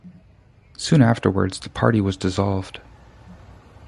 Soon afterwards the party was dissolved.